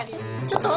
ちょっと！